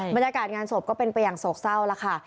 บรรยากาศงานศพก็เป็นไปอย่างโศกเศร้าแล้วค่ะ